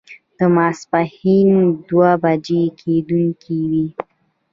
د ماسپښين دوه بجې کېدونکې وې.